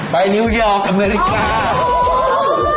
ไปนิวเยอร์กอเมินิกา